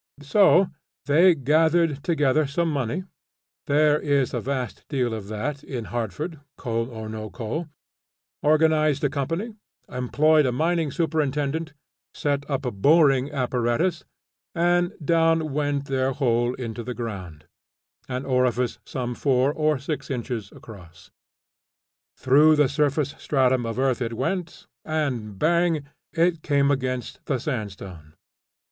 So they gathered together some money, there is a vast deal of that in Hartford, coal or no coal organized a company, employed a Mining Superintendent, set up a boring apparatus, and down went their hole into the ground an orifice some four or six inches across. Through the surface stratum of earth it went, and bang it came against the sandstone.